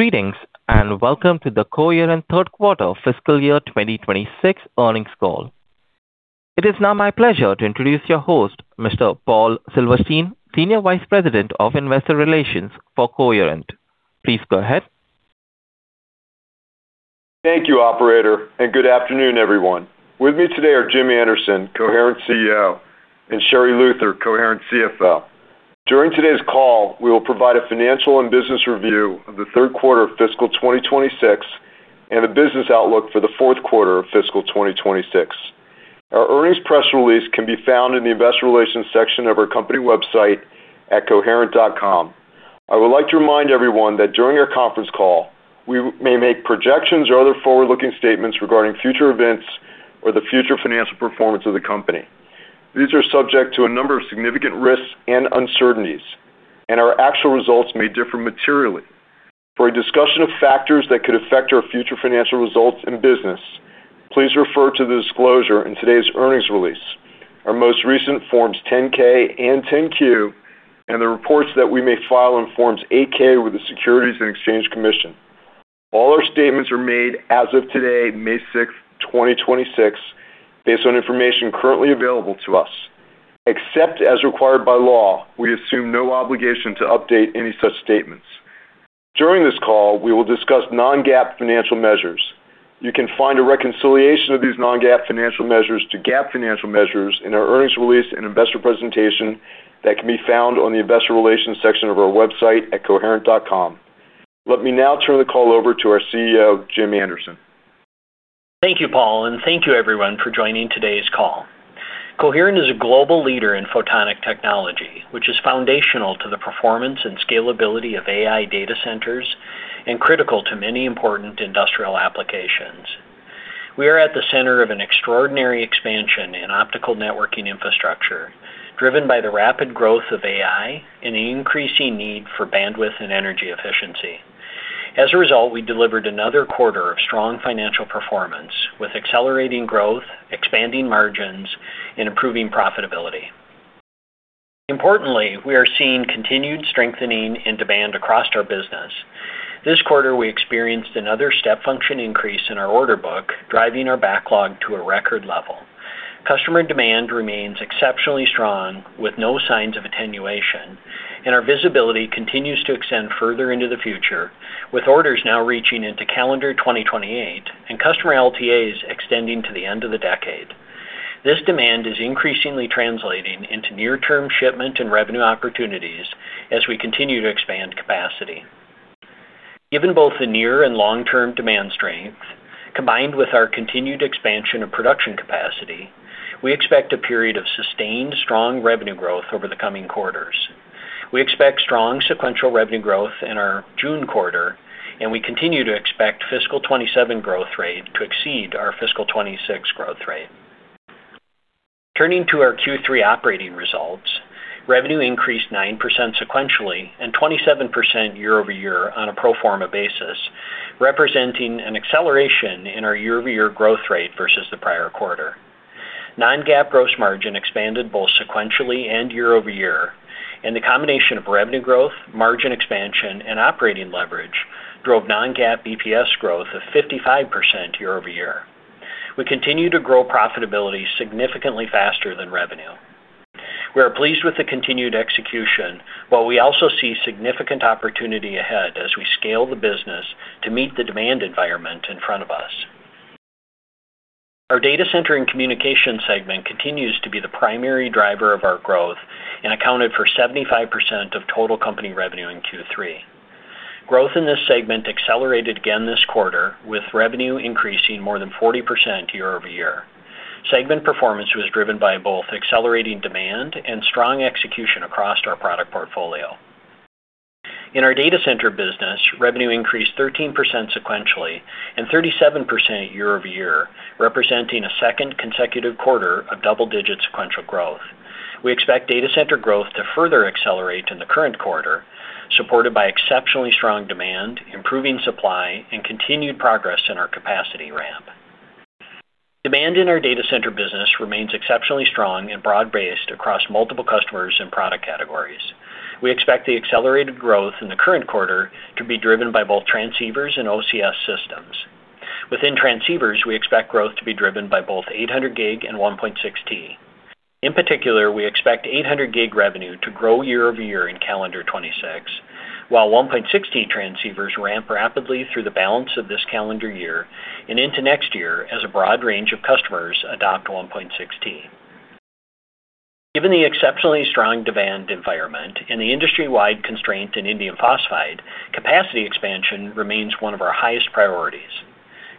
Greetings, and welcome to the Coherent Third Quarter Fiscal Year 2026 Earnings Call. It is now my pleasure to introduce your host, Mr. Paul Silverstein, Senior Vice President of Investor Relations for Coherent. Please go ahead. Thank you, operator. Good afternoon, everyone. With me today are Jim Anderson, Coherent CEO, and Sherri Luther, Coherent CFO. During today's call, we will provide a financial and business review of the third quarter of fiscal 2026 and a business outlook for the fourth quarter of fiscal 2026. Our earnings press release can be found in the investor relations section of our company website at coherent.com. I would like to remind everyone that during our conference call, we may make projections or other forward-looking statements regarding future events or the future financial performance of the company. These are subject to a number of significant risks and uncertainties. Our actual results may differ materially. For a discussion of factors that could affect our future financial results in business, please refer to the disclosure in today's earnings release, our most recent Forms 10-K and 10-Q, and the reports that we may file in Forms 8-K with the Securities and Exchange Commission. All our statements are made as of today, May 6, 2026, based on information currently available to us. Except as required by law, we assume no obligation to update any such statements. During this call, we will discuss non-GAAP financial measures. You can find a reconciliation of these non-GAAP financial measures to GAAP financial measures in our earnings release and investor presentation that can be found on the investor relations section of our website at coherent.com. Let me now turn the call over to our CEO, Jim Anderson. Thank you, Paul, and thank you everyone for joining today's call. Coherent is a global leader in photonic technology, which is foundational to the performance and scalability of AI data centers and critical to many important industrial applications. We are at the center of an extraordinary expansion in optical networking infrastructure, driven by the rapid growth of AI and an increasing need for bandwidth and energy efficiency. As a result, we delivered another quarter of strong financial performance, with accelerating growth, expanding margins, and improving profitability. Importantly, we are seeing continued strengthening in demand across our business. This quarter, we experienced another step function increase in our order book, driving our backlog to a record level. Customer demand remains exceptionally strong with no signs of attenuation. Our visibility continues to extend further into the future, with orders now reaching into calendar 2028 and customer LTAs extending to the end of the decade. This demand is increasingly translating into near-term shipment and revenue opportunities as we continue to expand capacity. Given both the near and long-term demand strength, combined with our continued expansion of production capacity, we expect a period of sustained strong revenue growth over the coming quarters. We expect strong sequential revenue growth in our June quarter. We continue to expect fiscal 2027 growth rate to exceed our fiscal 2026 growth rate. Turning to our Q3 operating results, revenue increased 9% sequentially and 27% year-over-year on a pro forma basis, representing an acceleration in our year-over-year growth rate versus the prior quarter. Non-GAAP gross margin expanded both sequentially and year-over-year, and the combination of revenue growth, margin expansion, and operating leverage drove non-GAAP EPS growth of 55% year-over-year. We continue to grow profitability significantly faster than revenue. We are pleased with the continued execution, but we also see significant opportunity ahead as we scale the business to meet the demand environment in front of us. Our data center and communication segment continues to be the primary driver of our growth and accounted for 75% of total company revenue in Q3. Growth in this segment accelerated again this quarter, with revenue increasing more than 40% year-over-year. Segment performance was driven by both accelerating demand and strong execution across our product portfolio. In our data center business, revenue increased 13% sequentially and 37% year-over-year, representing a second consecutive quarter of double-digit sequential growth. We expect data center growth to further accelerate in the current quarter, supported by exceptionally strong demand, improving supply, and continued progress in our capacity ramp. Demand in our data center business remains exceptionally strong and broad-based across multiple customers and product categories. We expect the accelerated growth in the current quarter to be driven by both transceivers and OCS systems. Within transceivers, we expect growth to be driven by both 800G and 1.6T. In particular, we expect 800G revenue to grow year-over-year in calendar 2026, while 1.6T transceivers ramp rapidly through the balance of this calendar year and into next year as a broad range of customers adopt 1.6T. Given the exceptionally strong demand environment and the industry-wide constraint in indium phosphide, capacity expansion remains one of our highest priorities.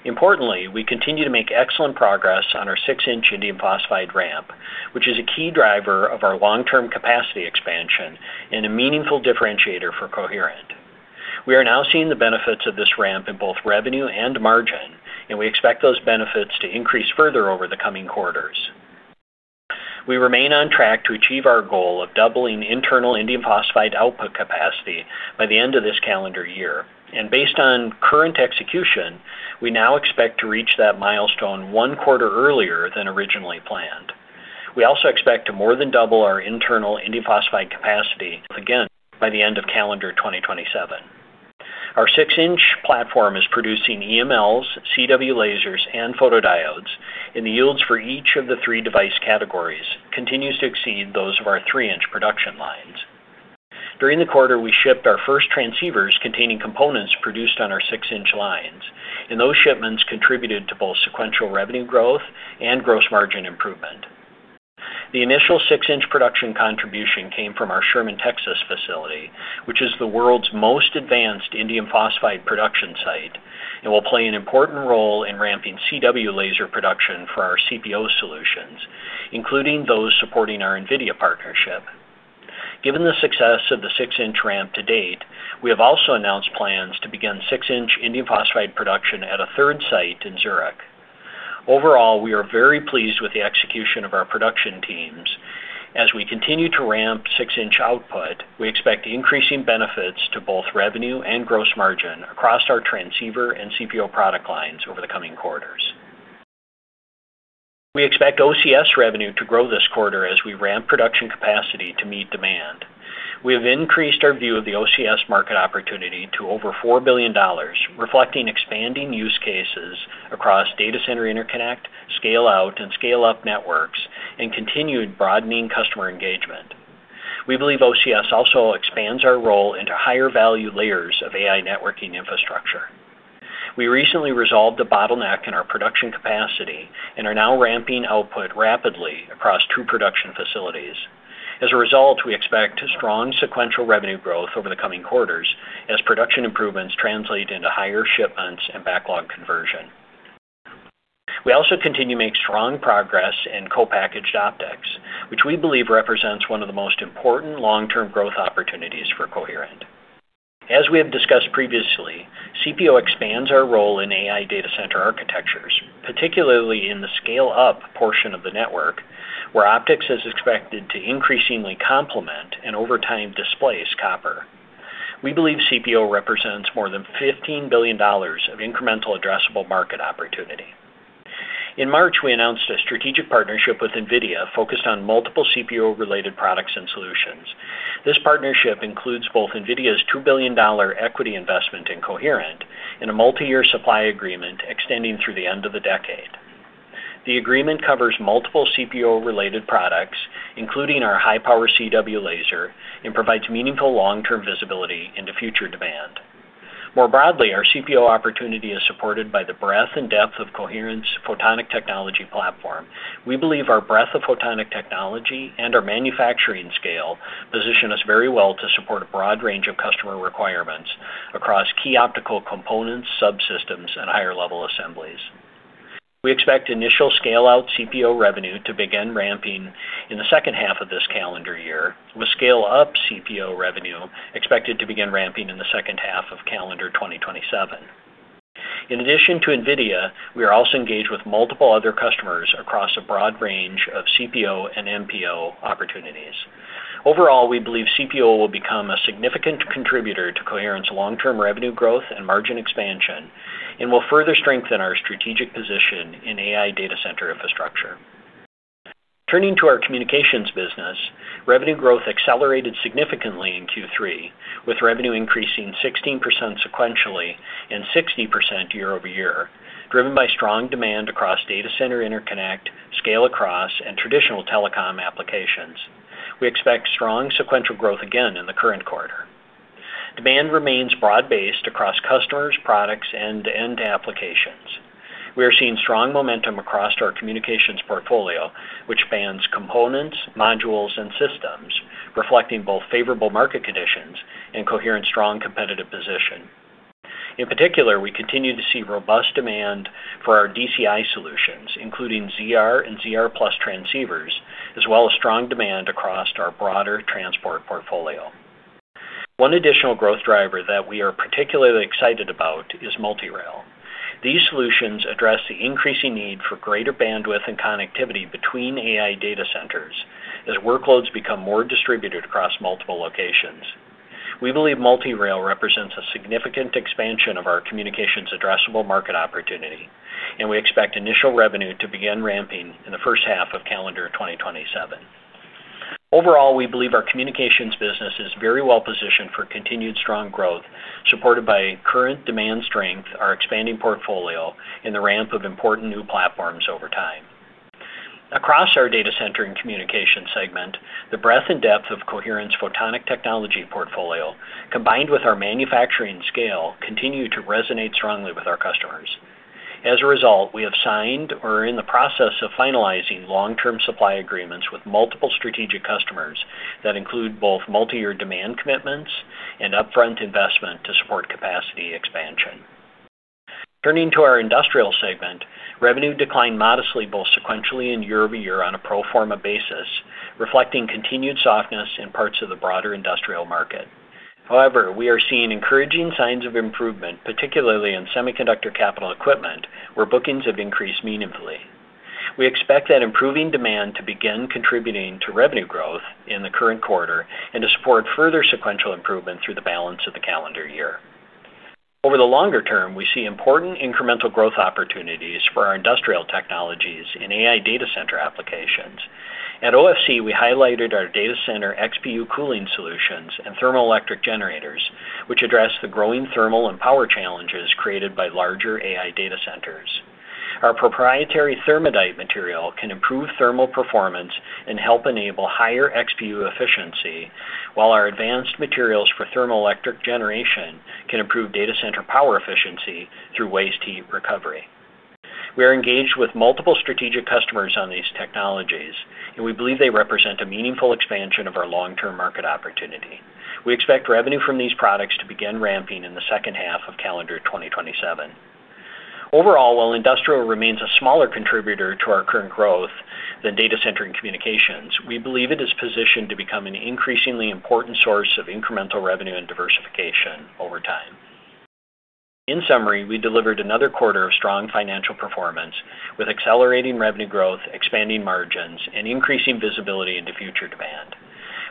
Importantly, we continue to make excellent progress on our six-inch indium phosphide ramp, which is a key driver of our long-term capacity expansion and a meaningful differentiator for Coherent. We are now seeing the benefits of this ramp in both revenue and margin. We expect those benefits to increase further over the coming quarters. We remain on track to achieve our goal of doubling internal indium phosphide output capacity by the end of this calendar year. Based on current execution, we now expect to reach that milestone one quarter earlier than originally planned. We also expect to more than double our internal indium phosphide capacity again by the end of calendar 2027. Our 6-inch platform is producing EMLs, CW lasers, and photodiodes, and the yields for each of the three device categories continues to exceed those of our 3-inch production lines. During the quarter, we shipped our first transceivers containing components produced on our 6-inch lines, and those shipments contributed to both sequential revenue growth and gross margin improvement. The initial 6-inch production contribution came from our Sherman, Texas facility, which is the world's most advanced indium phosphide production site and will play an important role in ramping CW laser production for our CPO solutions, including those supporting our NVIDIA partnership. Given the success of the 6-inch ramp to date, we have also announced plans to begin 6-inch indium phosphide production at a third site in Zurich. Overall, we are very pleased with the execution of our production teams. As we continue to ramp 6-inch output, we expect increasing benefits to both revenue and gross margin across our transceiver and CPO product lines over the coming quarters. We expect OCS revenue to grow this quarter as we ramp production capacity to meet demand. We have increased our view of the OCS market opportunity to over $4 billion, reflecting expanding use cases across data center interconnect, scale-out, and scale-up networks, and continued broadening customer engagement. We believe OCS also expands our role into higher-value layers of AI networking infrastructure. We recently resolved a bottleneck in our production capacity and are now ramping output rapidly across two production facilities. We expect strong sequential revenue growth over the coming quarters as production improvements translate into higher shipments and backlog conversion. We also continue to make strong progress in co-packaged optics, which we believe represents one of the most important long-term growth opportunities for Coherent. As we have discussed previously, CPO expands our role in AI data center architectures, particularly in the scale-up portion of the network, where optics is expected to increasingly complement and over time displace copper. We believe CPO represents more than $15 billion of incremental addressable market opportunity. In March, we announced a strategic partnership with NVIDIA focused on multiple CPO-related products and solutions. This partnership includes both NVIDIA's $2 billion equity investment in Coherent and a multi-year supply agreement extending through the end of the decade. The agreement covers multiple CPO-related products, including our high-power CW laser, and provides meaningful long-term visibility into future demand. More broadly, our CPO opportunity is supported by the breadth and depth of Coherent's photonic technology platform. We believe our breadth of photonic technology and our manufacturing scale position us very well to support a broad range of customer requirements across key optical components, subsystems, and higher-level assemblies. We expect initial scale-out CPO revenue to begin ramping in the second half of this calendar year, with scale-up CPO revenue expected to begin ramping in the second half of calendar 2027. In addition to NVIDIA, we are also engaged with multiple other customers across a broad range of CPO and NPO opportunities. Overall, we believe CPO will become a significant contributor to Coherent's long-term revenue growth and margin expansion and will further strengthen our strategic position in AI data center infrastructure. Turning to our communications business. Revenue growth accelerated significantly in Q3, with revenue increasing 16% sequentially and 60% year-over-year, driven by strong demand across data center interconnect, scale-across, and traditional telecom applications. We expect strong sequential growth again in the current quarter. Demand remains broad-based across customers, products, and end applications. We are seeing strong momentum across our communications portfolio, which spans components, modules, and systems, reflecting both favorable market conditions and Coherent's strong competitive position. In particular, we continue to see robust demand for our DCI solutions, including ZR and ZR+ transceivers, as well as strong demand across our broader transport portfolio. One additional growth driver that we are particularly excited about is Multi-Rail. These solutions address the increasing need for greater bandwidth and connectivity between AI data centers as workloads become more distributed across multiple locations. We believe Multi-Rail represents a significant expansion of our communications addressable market opportunity, and we expect initial revenue to begin ramping in the first half of calendar 2027. Overall, we believe our communications business is very well positioned for continued strong growth, supported by current demand strength, our expanding portfolio, and the ramp of important new platforms over time. Across our data center and communication segment, the breadth and depth of Coherent's photonic technology portfolio, combined with our manufacturing scale, continue to resonate strongly with our customers. As a result, we have signed or are in the process of finalizing long-term supply agreements with multiple strategic customers that include both multi-year demand commitments and upfront investment to support capacity expansion. Turning to our industrial segment. Revenue declined modestly both sequentially and year-over-year on a pro forma basis, reflecting continued softness in parts of the broader industrial market. However, we are seeing encouraging signs of improvement, particularly in semiconductor capital equipment, where bookings have increased meaningfully. We expect that improving demand to begin contributing to revenue growth in the current quarter and to support further sequential improvement through the balance of the calendar year. Over the longer term, we see important incremental growth opportunities for our industrial technologies in AI data center applications. At OFC, we highlighted our data center XPU cooling solutions and thermoelectric generators, which address the growing thermal and power challenges created by larger AI data centers. Our proprietary Thermadite material can improve thermal performance and help enable higher XPU efficiency, while our advanced materials for thermoelectric generation can improve data center power efficiency through waste heat recovery. We are engaged with multiple strategic customers on these technologies, and we believe they represent a meaningful expansion of our long-term market opportunity. We expect revenue from these products to begin ramping in the second half of calendar 2027. Overall, while industrial remains a smaller contributor to our current growth than data center and communications, we believe it is positioned to become an increasingly important source of incremental revenue and diversification over time. In summary, we delivered another quarter of strong financial performance with accelerating revenue growth, expanding margins, and increasing visibility into future demand.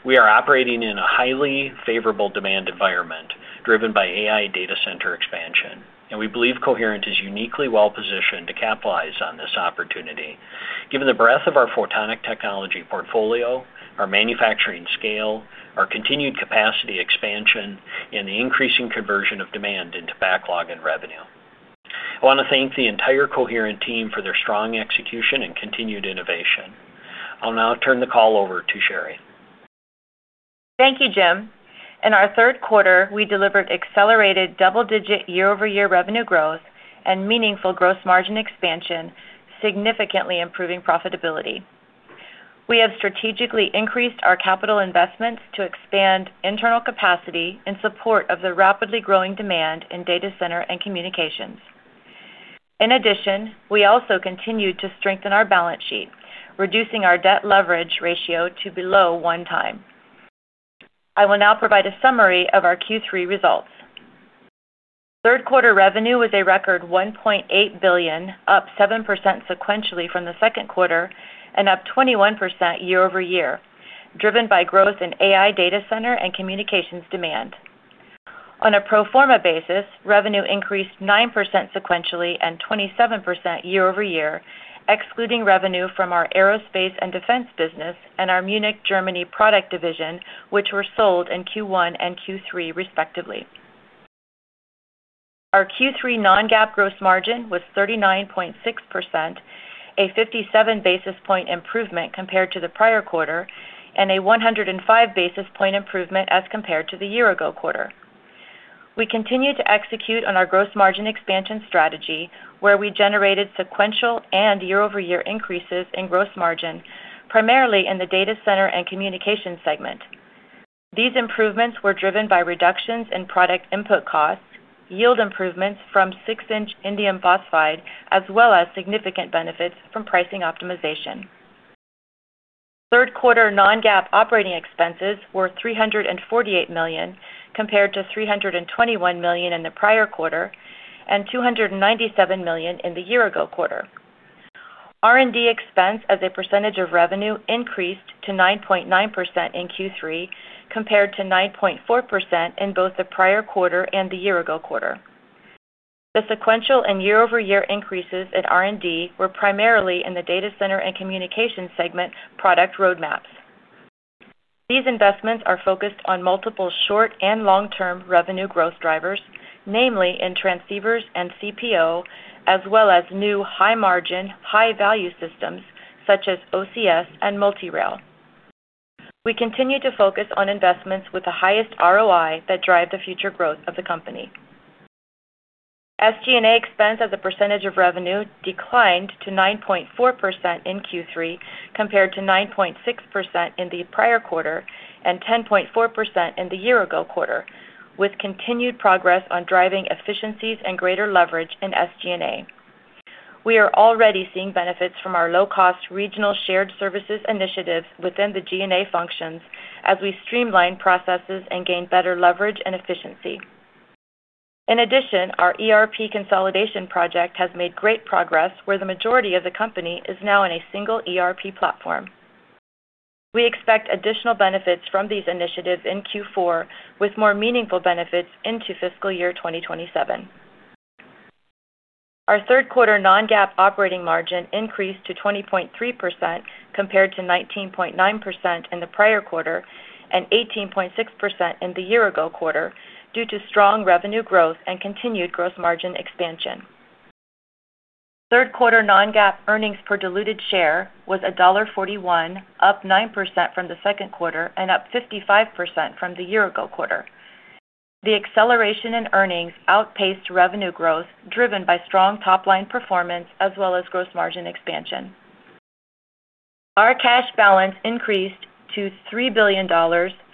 We are operating in a highly favorable demand environment driven by AI data center expansion, and we believe Coherent is uniquely well-positioned to capitalize on this opportunity given the breadth of our photonic technology portfolio, our manufacturing scale, our continued capacity expansion, and the increasing conversion of demand into backlog and revenue. I want to thank the entire Coherent team for their strong execution and continued innovation. I'll now turn the call over to Sherri. Thank you, Jim. In our third quarter, we delivered accelerated double-digit year-over-year revenue growth and meaningful gross margin expansion, significantly improving profitability. We have strategically increased our capital investments to expand internal capacity in support of the rapidly growing demand in data center and communications. In addition, we also continued to strengthen our balance sheet, reducing our debt leverage ratio to below one time. I will now provide a summary of our Q3 results. Third quarter revenue was a record $1.8 billion, up 7% sequentially from the second quarter and up 21% year-over-year, driven by growth in AI data center and communications demand. On a pro forma basis, revenue increased 9% sequentially and 27% year-over-year, excluding revenue from our aerospace and defense business and our Munich, Germany, product division, which were sold in Q1 and Q3 respectively. Our Q3 non-GAAP gross margin was 39.6%, a 57 basis point improvement compared to the prior quarter and a 105 basis point improvement as compared to the year-ago quarter. We continue to execute on our gross margin expansion strategy, where we generated sequential and year-over-year increases in gross margin, primarily in the data center and communication segment. These improvements were driven by reductions in product input costs, yield improvements from 6-inch indium phosphide, as well as significant benefits from pricing optimization. Third quarter non-GAAP operating expenses were $348 million, compared to $321 million in the prior quarter and $297 million in the year-ago quarter. R&D expense as a percentage of revenue increased to 9.9% in Q3, compared to 9.4% in both the prior quarter and the year-ago quarter. The sequential and year-over-year increases in R&D were primarily in the data center and communication segment product roadmaps. These investments are focused on multiple short- and long-term revenue growth drivers, namely in transceivers and CPO, as well as new high-margin, high-value systems such as OCS and MultiRail. We continue to focus on investments with the highest ROI that drive the future growth of the company. SG&A expense as a percentage of revenue declined to 9.4% in Q3, compared to 9.6% in the prior quarter and 10.4% in the year-ago quarter, with continued progress on driving efficiencies and greater leverage in SG&A. We are already seeing benefits from our low-cost regional shared services initiatives within the G&A functions as we streamline processes and gain better leverage and efficiency. In addition, our ERP consolidation project has made great progress where the majority of the company is now on a single ERP platform. We expect additional benefits from these initiatives in Q4, with more meaningful benefits into fiscal year 2027. Our third quarter non-GAAP operating margin increased to 20.3% compared to 19.9% in the prior quarter and 18.6% in the year-ago quarter due to strong revenue growth and continued gross margin expansion. Third quarter non-GAAP earnings per diluted share was $1.41, up 9% from the second quarter and up 55% from the year-ago quarter. The acceleration in earnings outpaced revenue growth, driven by strong top-line performance as well as gross margin expansion. Our cash balance increased to $3 billion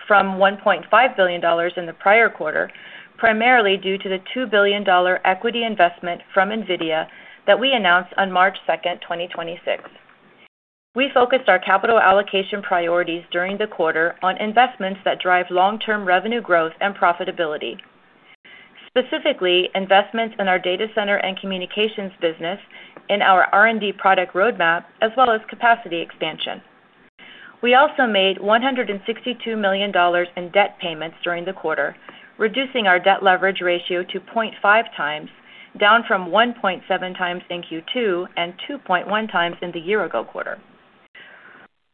from $1.5 billion in the prior quarter, primarily due to the $2 billion equity investment from NVIDIA that we announced on March 2nd, 2026. We focused our capital allocation priorities during the quarter on investments that drive long-term revenue growth and profitability, specifically investments in our data center and communications business in our R&D product roadmap as well as capacity expansion. We also made $162 million in debt payments during the quarter, reducing our debt leverage ratio to 0.5 times, down from 1.7 times in Q2 and 2.1 times in the year-ago quarter.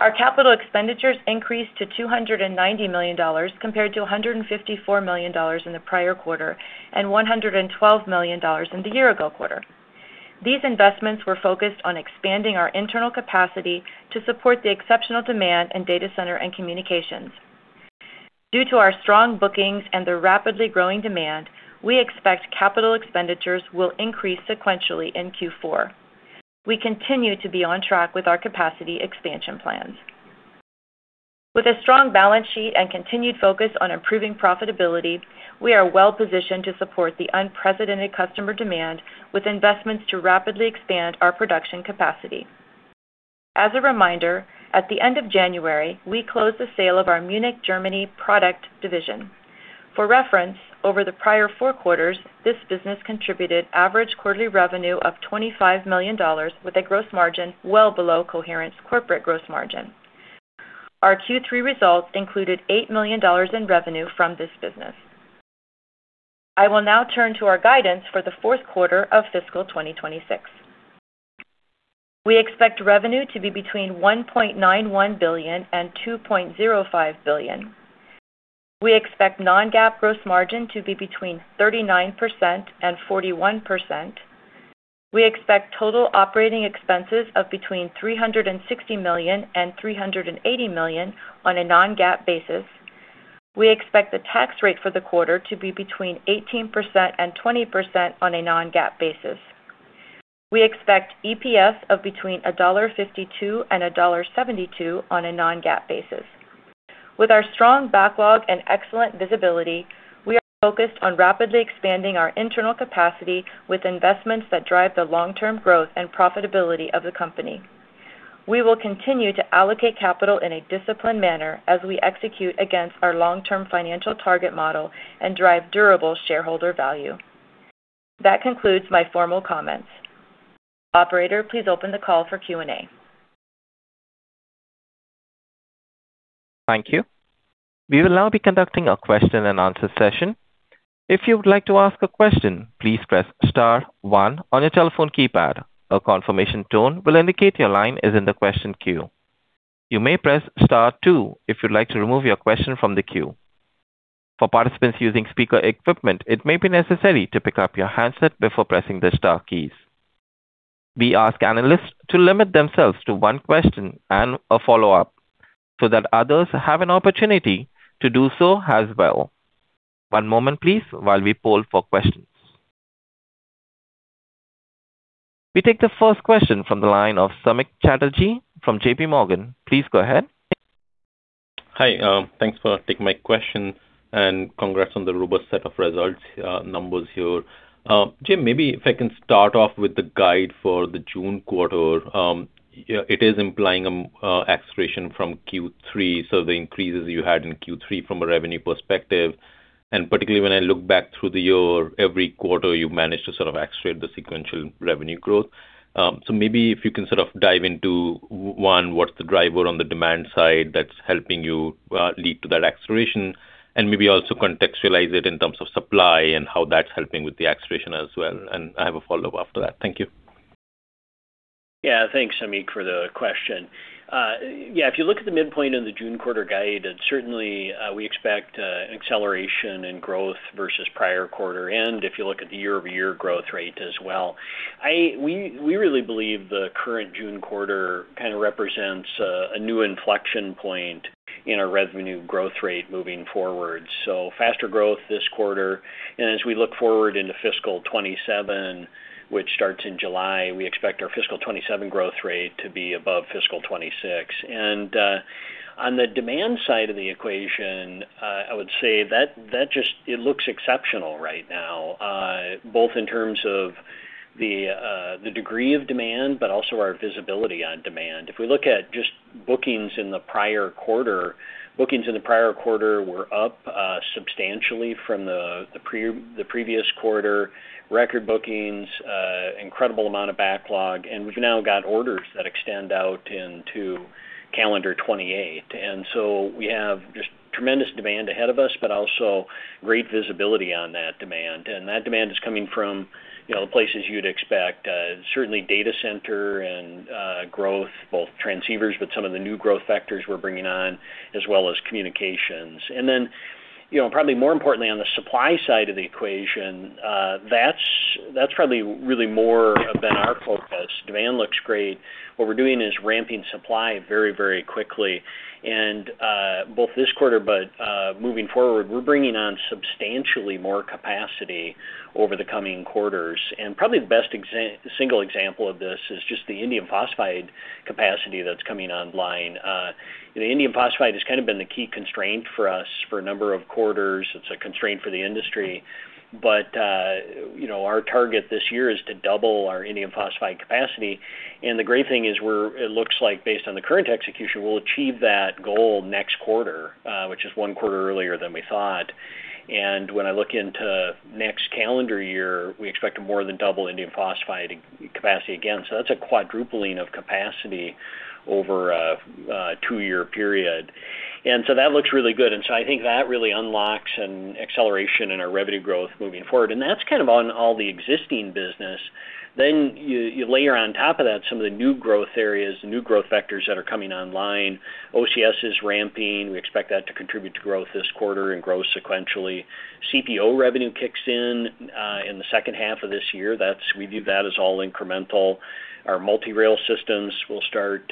Our capital expenditures increased to $290 million compared to $154 million in the prior quarter and $112 million in the year-ago quarter. These investments were focused on expanding our internal capacity to support the exceptional demand in data center and communications. Due to our strong bookings and the rapidly growing demand, we expect capital expenditures will increase sequentially in Q4. We continue to be on track with our capacity expansion plans. With a strong balance sheet and continued focus on improving profitability, we are well positioned to support the unprecedented customer demand with investments to rapidly expand our production capacity. As a reminder, at the end of January, we closed the sale of our Munich, Germany, product division. For reference, over the prior four quarters, this business contributed average quarterly revenue of $25 million with a gross margin well below Coherent's corporate gross margin. Our Q3 results included $8 million in revenue from this business. I will now turn to our guidance for the fourth quarter of fiscal 2026. We expect revenue to be between $1.91 billion and $2.05 billion. We expect non-GAAP gross margin to be between 39% and 41%. We expect total operating expenses of between $360 million and $380 million on a non-GAAP basis. We expect the tax rate for the quarter to be between 18% and 20% on a non-GAAP basis. We expect EPS of between $1.52 and $1.72 on a non-GAAP basis. With our strong backlog and excellent visibility, we are focused on rapidly expanding our internal capacity with investments that drive the long-term growth and profitability of the company. We will continue to allocate capital in a disciplined manner as we execute against our long-term financial target model and drive durable shareholder value. That concludes my formal comments. Operator, please open the call for Q&A. Thank you. We take the first question from the line of Samik Chatterjee from JPMorgan. Please go ahead. Hi. Thanks for taking my question, and congrats on the robust set of results, numbers here. Jim, maybe if I can start off with the guide for the June quarter. It is implying acceleration from Q3, so the increases you had in Q3 from a revenue perspective, and particularly when I look back through the year, every quarter, you've managed to sort of accelerate the sequential revenue growth. Maybe if you can sort of dive into, one, what's the driver on the demand side that's helping you lead to that acceleration, and maybe also contextualize it in terms of supply and how that's helping with the acceleration as well. I have a follow-up after that. Thank you. Yeah. Thanks, Samik, for the question. Yeah, if you look at the midpoint of the June quarter guide, certainly, we expect acceleration in growth versus prior quarter. If you look at the year-over-year growth rate as well. We really believe the current June quarter kind of represents a new inflection point in our revenue growth rate moving forward. Faster growth this quarter, and as we look forward into fiscal 2027, which starts in July, we expect our fiscal 2027 growth rate to be above fiscal 2026. On the demand side of the equation, I would say that it looks exceptional right now, both in terms of the degree of demand, but also our visibility on demand. If we look at just bookings in the prior quarter, bookings in the prior quarter were up substantially from the previous quarter, record bookings, incredible amount of backlog, and we've now got orders that extend out into calendar 2028. We have just tremendous demand ahead of us, but also great visibility on that demand. That demand is coming from, you know, the places you'd expect, certainly data center and growth, both transceivers, but some of the new growth vectors we're bringing on, as well as communications. You know, probably more importantly, on the supply side of the equation, that's probably really more been our focus. Demand looks great. What we're doing is ramping supply very quickly. Both this quarter but moving forward, we're bringing on substantially more capacity over the coming quarters. Probably the best single example of this is just the indium phosphide capacity that's coming online. The indium phosphide has kind of been the key constraint for us for a number of quarters. It's a constraint for the industry. You know, our target this year is to double our indium phosphide capacity. The great thing is it looks like based on the current execution, we'll achieve that goal next quarter, which is one quarter earlier than we thought. When I look into next calendar year, we expect more than double indium phosphide capacity again. That's a quadrupling of capacity over a two-year period. That looks really good. I think that really unlocks an acceleration in our revenue growth moving forward. That's kind of on all the existing business. You layer on top of that some of the new growth areas, new growth vectors that are coming online. OCS is ramping. We expect that to contribute to growth this quarter and grow sequentially. CPO revenue kicks in in the second half of this year. We view that as all incremental. Our Multi-Rail systems will start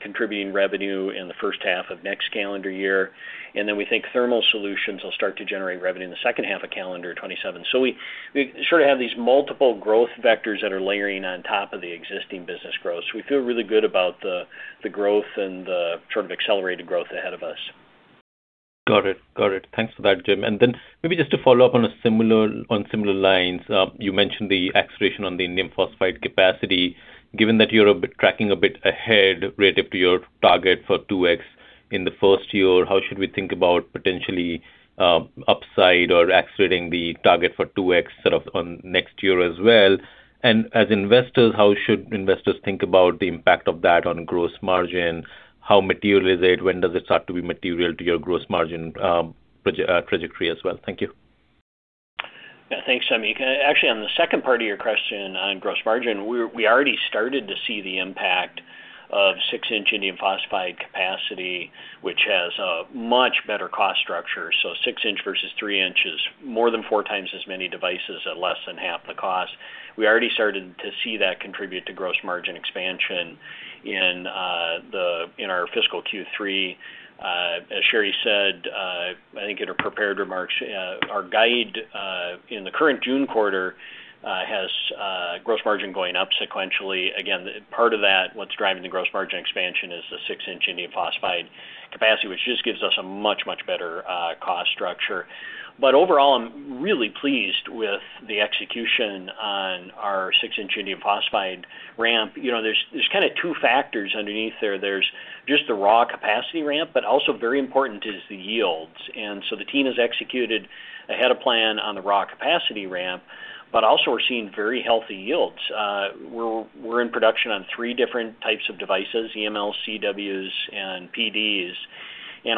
contributing revenue in the first half of next calendar year. We think thermal solutions will start to generate revenue in the second half of calendar 2027. We sort of have these multiple growth vectors that are layering on top of the existing business growth. We feel really good about the growth and the sort of accelerated growth ahead of us. Got it. Got it. Thanks for that, Jim. Maybe just to follow up on similar lines. You mentioned the acceleration on the indium phosphide capacity. Given that you're tracking a bit ahead relative to your target for 2x in the first year, how should we think about potentially upside or accelerating the target for 2x sort of on next year as well? As investors, how should investors think about the impact of that on gross margin? How material is it? When does it start to be material to your gross margin trajectory as well? Thank you. Thanks, Samik. Actually, on the second part of your question on gross margin, we already started to see the impact of 6-inch indium phosphide capacity, which has a much better cost structure. 6-inch versus 3-inch is more than four times as many devices at less than half the cost. We already started to see that contribute to gross margin expansion in our fiscal Q3. As Sherri said, I think in her prepared remarks, our guide in the current June quarter has gross margin going up sequentially. Again, part of that, what's driving the gross margin expansion is the 6-inch indium phosphide capacity, which just gives us a much better cost structure. Overall, I'm really pleased with the execution on our 6-inch indium phosphide ramp. You know, there's kind of two factors underneath there. There's just the raw capacity ramp, but also very important is the yields. The team has executed ahead of plan on the raw capacity ramp, but also we're seeing very healthy yields. We're in production on three different types of devices, EML, CWs, and PDs.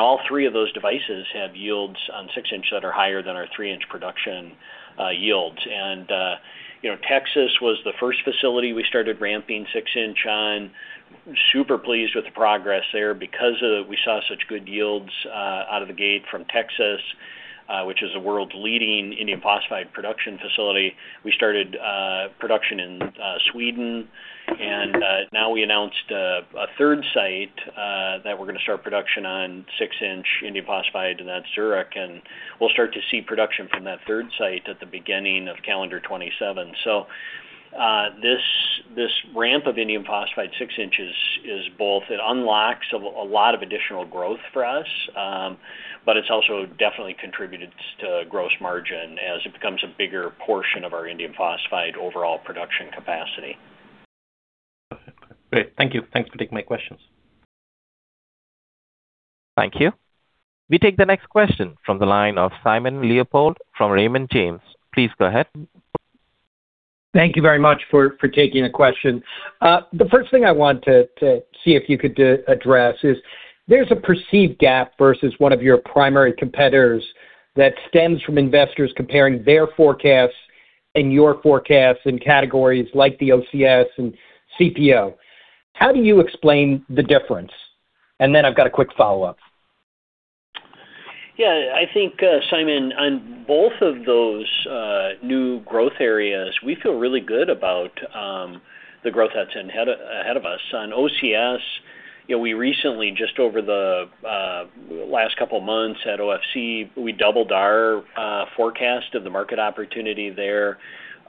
All three of those devices have yields on 6-inch that are higher than our 3-inch production yields. You know, Texas was the first facility we started ramping 6-inch on. Super pleased with the progress there. Because we saw such good yields out of the gate from Texas, which is the world's leading indium phosphide production facility, we started production in Sweden. Now we announced a third site that we're going to start production on 6-inch indium phosphide, and that's Zurich. We'll start to see production from that third site at the beginning of calendar 2027. This ramp of indium phosphide 6-inches is both, it unlocks a lot of additional growth for us, but it's also definitely contributed to gross margin as it becomes a bigger portion of our indium phosphide overall production capacity. Perfect. Great. Thank you. Thanks for taking my questions. Thank you. We take the next question from the line of Simon Leopold from Raymond James. Please go ahead. Thank you very much for taking a question. The first thing I want to see if you could address is, there's a perceived gap versus one of your primary competitors that stems from investors comparing their forecasts and your forecasts in categories like the OCS and CPO. How do you explain the difference? Then I've got a quick follow-up. I think, Simon, on both of those new growth areas, we feel really good about the growth that's ahead of us. On OCS, you know, we recently, just over the last couple of months at OFC, we doubled our forecast of the market opportunity there.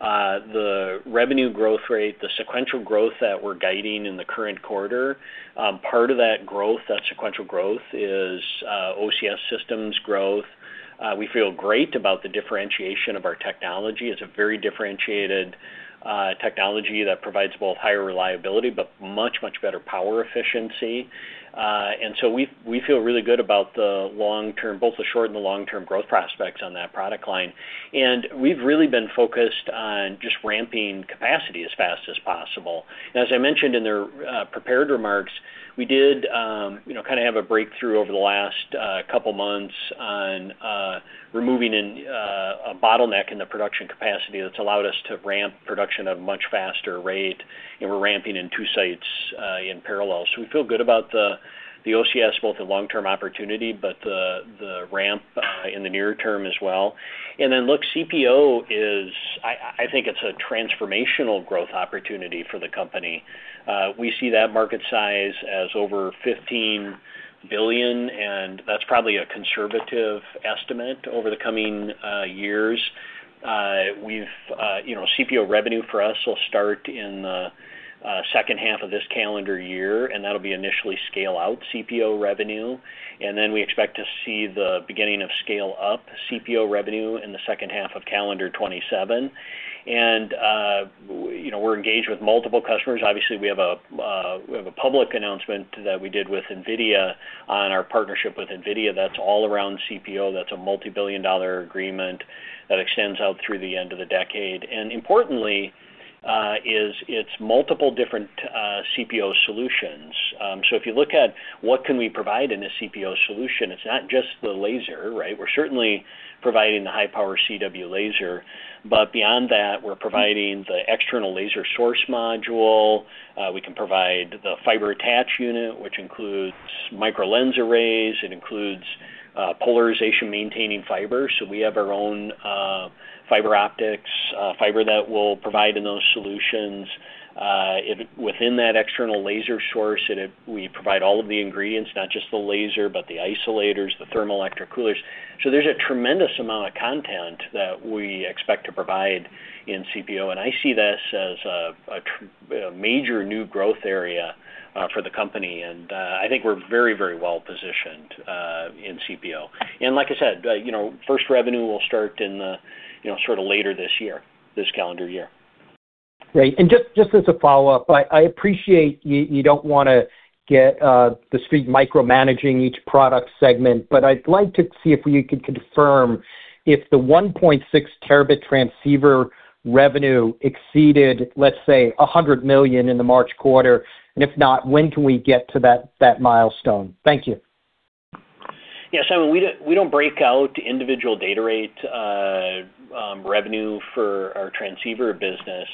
The revenue growth rate, the sequential growth that we're guiding in the current quarter, part of that sequential growth is OCS systems growth. We feel great about the differentiation of our technology. It's a very differentiated technology that provides both higher reliability but much better power efficiency. We feel really good about the long-term, both the short- and the long-term growth prospects on that product line. We've really been focused on just ramping capacity as fast as possible. As I mentioned in the prepared remarks, we did kind of have a breakthrough over the last couple of months on removing a bottleneck in the production capacity that's allowed us to ramp production at a much faster rate, and we're ramping in two sites in parallel. We feel good about the OCS, both the long-term opportunity, but the ramp in the near term as well. Look, CPO is I think it's a transformational growth opportunity for the company. We see that market size as over $15 billion, and that's probably a conservative estimate over the coming years. We've CPO revenue for us will start in the second half of this calendar year, and that'll be initially scale out CPO revenue. We expect to see the beginning of scale up CPO revenue in the second half of calendar 2027. You know, we're engaged with multiple customers. Obviously, we have a public announcement that we did with NVIDIA on our partnership with NVIDIA that's all around CPO. That's a multibillion-dollar agreement that extends out through the end of the decade. Importantly, it's multiple different CPO solutions. If you look at what can we provide in a CPO solution, it's not just the laser, right? We're certainly providing the high-power CW laser. Beyond that, we're providing the external laser source module. We can provide the Fiber Array Unit, which includes micro lens arrays. It includes polarization-maintaining fiber. We have our own fiber optics fiber that we'll provide in those solutions. Within that external laser source, we provide all of the ingredients, not just the laser, but the isolators, the thermoelectric coolers. There's a tremendous amount of content that we expect to provide in CPO, and I see this as a major new growth area for the company. I think we're very, very well positioned in CPO. Like I said, first revenue will start in sort of later this year, this calendar year. Great. Just as a follow-up, I appreciate you don't wanna get this micromanaging each product segment, but I'd like to see if you could confirm if the 1.6T transceiver revenue exceeded, let's say, $100 million in the March quarter. If not, when can we get to that milestone? Thank you. Yeah. We don't, we don't break out individual data rate, revenue for our transceiver business.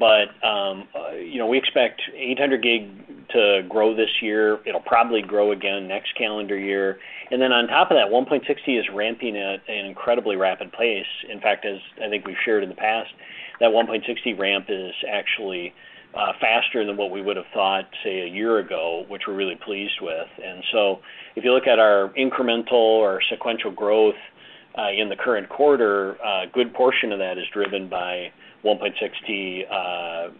You know, we expect 800G to grow this year. It'll probably grow again next calendar year. Then on top of that, 1.6T is ramping at an incredibly rapid pace. In fact, as I think we've shared in the past, that 1.6T ramp is actually faster than what we would have thought, say, a year ago, which we're really pleased with. If you look at our incremental or sequential growth, in the current quarter, a good portion of that is driven by 1.6T,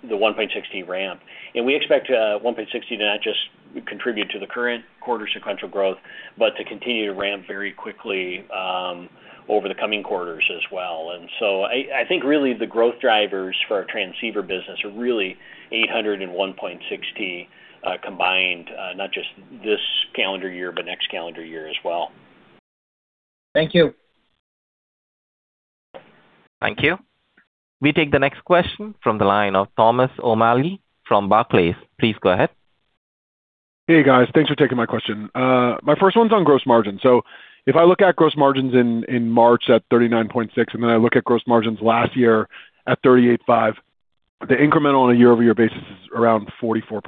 the 1.6T ramp. We expect 1.6T to not just contribute to the current quarter sequential growth, but to continue to ramp very quickly over the coming quarters as well. I think really the growth drivers for our transceiver business are really 800G and 1.6T combined, not just this calendar year, but next calendar year as well. Thank you. Thank you. We take the next question from the line of Thomas O'Malley from Barclays. Please go ahead. Hey, guys. Thanks for taking my question. My first one's on gross margin. If I look at gross margins in March at 39.6%, and then I look at gross margins last year at 38.5%, the incremental on a year-over-year basis is around 44%.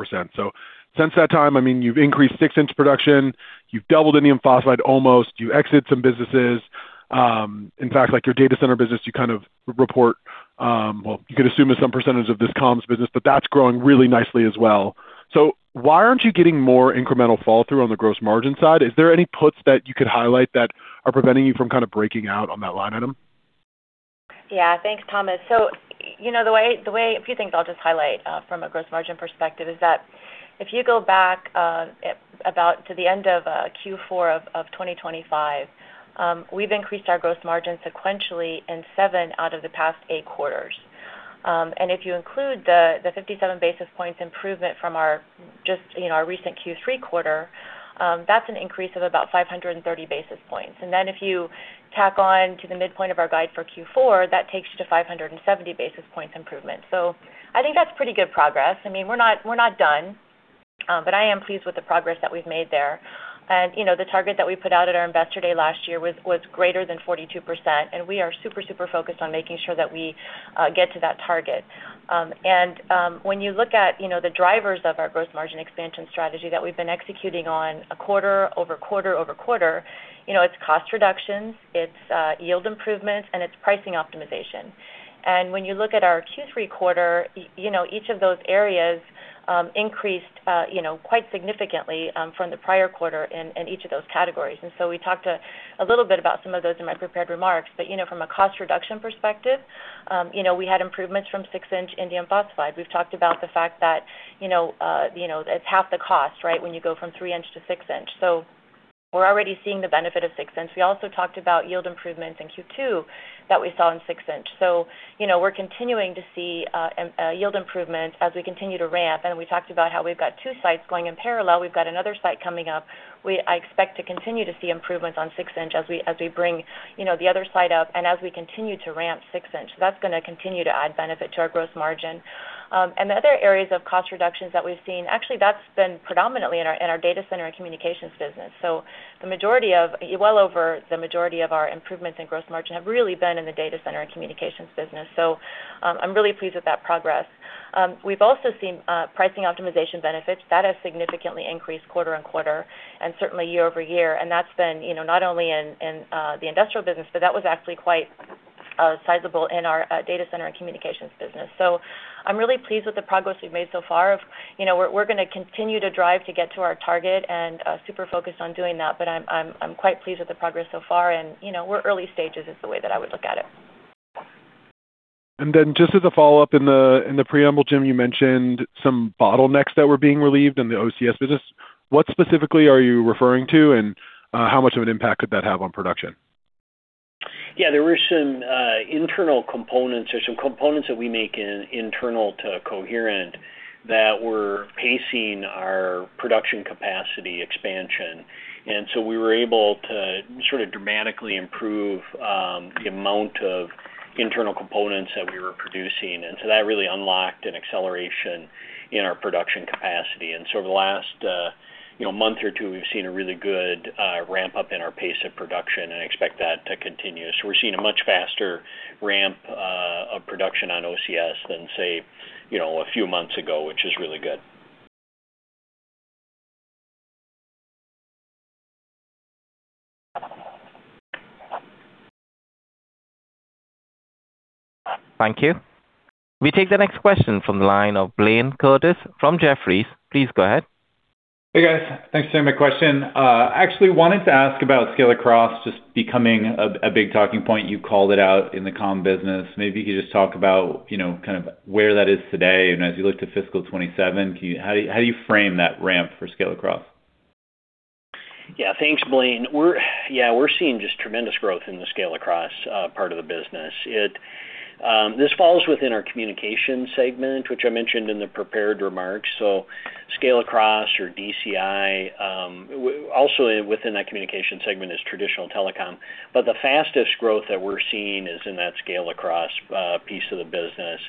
Since that time, I mean, you've increased 6-inch production. You've doubled indium phosphide almost. You exit some businesses. In fact, like your data center business, you kind of report, well, you could assume that some percentage of this comms business, but that's growing really nicely as well. Why aren't you getting more incremental fall through on the gross margin side? Is there any puts that you could highlight that are preventing you from kind of breaking out on that line item? Thanks, Thomas. You know, a few things I'll just highlight from a gross margin perspective is that if you go back about to the end of Q4 of 2025, we've increased our gross margin sequentially in seven out of the past eight quarters. If you include the 57 basis points improvement from our recent Q3 quarter, that's an increase of about 530 basis points. If you tack on to the midpoint of our guide for Q4, that takes you to 570 basis points improvement. I think that's pretty good progress. I mean, we're not done, I am pleased with the progress that we've made there. You know, the target that we put out at our Investor Day last year was greater than 42%, we are super focused on making sure that we get to that target. When you look at, you know, the drivers of our gross margin expansion strategy that we've been executing on a quarter-over-quarter-over-quarter, you know, it's cost reductions, it's yield improvements, it's pricing optimization. When you look at our Q3 quarter, you know, each of those areas increased, you know, quite significantly from the prior quarter in each of those categories. We talked a little bit about some of those in my prepared remarks. You know, from a cost reduction perspective, you know, we had improvements from 6-inch indium phosphide. We've talked about the fact that, you know, it's half the cost, right, when you go from 3-inch to 6-inch. We're already seeing the benefit of 6-inch. We also talked about yield improvements in Q2 that we saw in 6-inch. You know, we're continuing to see yield improvements as we continue to ramp. We talked about how we've got two sites going in parallel. We've got another site coming up. I expect to continue to see improvements on 6-inch as we bring, you know, the other site up and as we continue to ramp 6-inch. That's gonna continue to add benefit to our gross margin. The other areas of cost reductions that we've seen, actually, that's been predominantly in our, in our data center and communications business. Well over the majority of our improvements in gross margin have really been in the data center and communications business. I'm really pleased with that progress. We've also seen pricing optimization benefits. That has significantly increased quarter-on-quarter and certainly year-over-year. That's been, you know, not only in the industrial business, but that was actually quite sizable in our data center and communications business. I'm really pleased with the progress we've made so far of, you know, we're gonna continue to drive to get to our target and super focused on doing that. I'm quite pleased with the progress so far. You know, we're early stages is the way that I would look at it. Then just as a follow-up, in the preamble, Jim, you mentioned some bottlenecks that were being relieved in the OCS business. What specifically are you referring to, and how much of an impact could that have on production? There were some internal components or some components that we make in internal to Coherent that were pacing our production capacity expansion. We were able to sort of dramatically improve the amount of internal components that we were producing. That really unlocked an acceleration in our production capacity. Over the last month or two, we've seen a really good ramp-up in our pace of production and expect that to continue. We're seeing a much faster ramp of production on OCS than say a few months ago, which is really good. Thank you. We take the next question from the line of Blayne Curtis from Jefferies. Please go ahead. Hey, guys. Thanks for taking my question. actually wanted to ask about scale-across just becoming a big talking point. You called it out in the comm business. Maybe you could just talk about, you know, kind of where that is today. As you look to fiscal 2027, how do you frame that ramp for scale-across? Thanks, Blayne. We're seeing just tremendous growth in the scale-across part of the business. This falls within our communication segment, which I mentioned in the prepared remarks. Scale-across or DCI, also within that communication segment is traditional telecom. The fastest growth that we're seeing is in that scale-across piece of the business.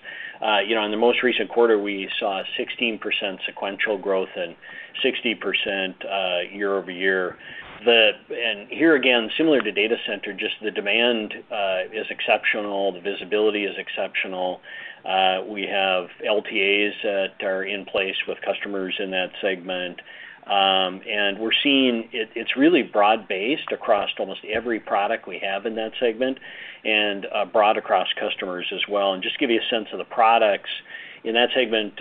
You know, in the most recent quarter, we saw 16% sequential growth and 60% year-over-year. Here again, similar to data center, just the demand is exceptional. The visibility is exceptional. We have LTAs that are in place with customers in that segment. We're seeing it's really broad-based across almost every product we have in that segment and broad across customers as well. Just give you a sense of the products in that segment,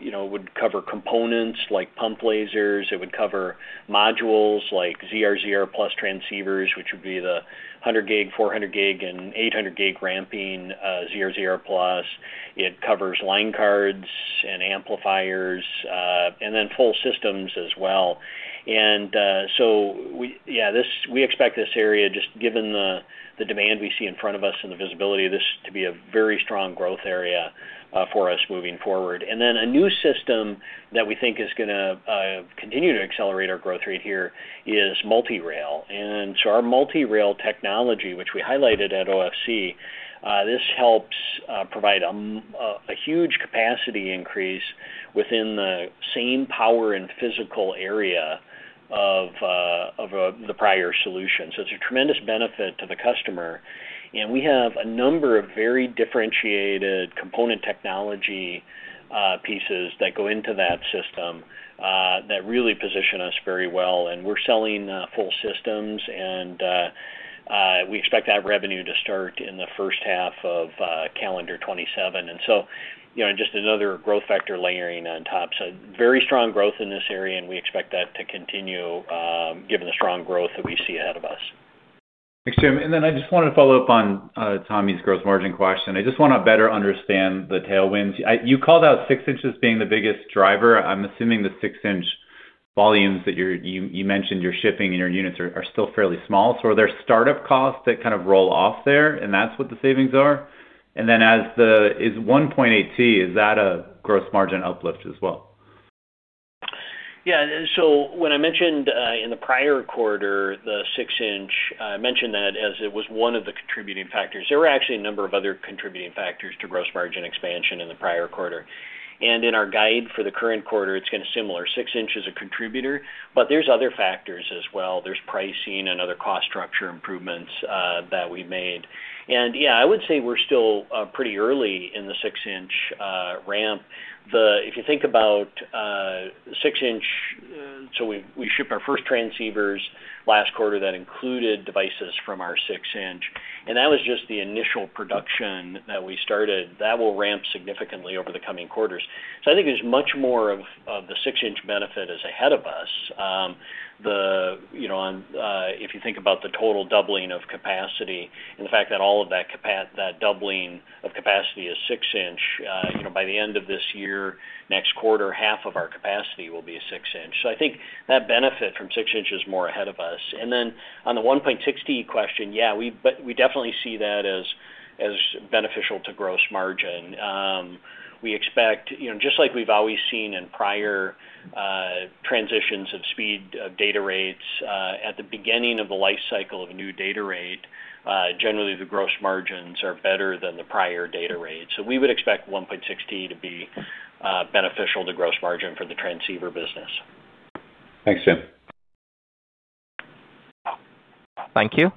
you know, would cover components like pump lasers. It would cover modules like ZR+ transceivers, which would be the 100G, 400G, and 800G ramping ZR+. It covers line cards and amplifiers, and then full systems as well. We expect this area, just given the demand we see in front of us and the visibility of this to be a very strong growth area for us moving forward. A new system that we think is gonna continue to accelerate our growth rate here is Multi-Rail. Our Multi-Rail technology, which we highlighted at OFC, this helps provide a huge capacity increase within the same power and physical area of the prior solution. It's a tremendous benefit to the customer, and we have a number of very differentiated component technology pieces that go into that system that really position us very well. We're selling full systems and we expect to have revenue to start in the first half of calendar 2027. You know, just another growth factor layering on top. Very strong growth in this area, and we expect that to continue given the strong growth that we see ahead of us. Thanks, Jim. I just wanted to follow up on Thomas O'Malley's gross margin question. I just wanna better understand the tailwinds. You called out 6-inches being the biggest driver. I'm assuming the 6-inch volumes that you mentioned you're shipping and your units are still fairly small. Are there startup costs that kind of roll off there, and that's what the savings are? Is 1.6T, is that a gross margin uplift as well? When I mentioned in the prior quarter, the 6-inch, I mentioned that as it was one of the contributing factors. There were actually a number of other contributing factors to gross margin expansion in the prior quarter. In our guide for the current quarter, it's gonna similar. 6-inch is a contributor, but there's other factors as well. There's pricing and other cost structure improvements that we made. Yeah, I would say we're still pretty early in the 6-inch ramp. If you think about 6-inch, we shipped our first transceivers last quarter that included devices from our 6-inch, and that was just the initial production that we started. That will ramp significantly over the coming quarters. I think there's much more of the 6-inch benefit is ahead of us. The, you know, on, if you think about the total doubling of capacity and the fact that all of that doubling of capacity is 6-inch, you know, by the end of this year, next quarter, half of our capacity will be 6-inch. I think that benefit from 6-inch is more ahead of us. On the 1.6T question, we definitely see that as beneficial to gross margin. We expect, just like we've always seen in prior transitions of speed, data rates, at the beginning of the life cycle of a new data rate, generally the gross margins are better than the prior data rate. We would expect 1.6T to be beneficial to gross margin for the transceiver business. Thanks, Jim. Thank you.